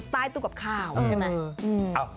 ใต้ตู้กับข้าวใช่ไหม